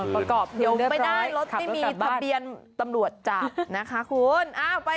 แปะกลับคืนยกไปได้รถไม่มีทะเบียนตำรวจจับนะคะคุณ